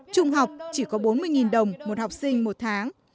trung học chỉ có bốn mươi đồng một học sinh một tháng